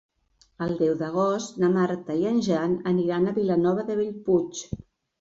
El deu d'agost na Marta i en Jan aniran a Vilanova de Bellpuig.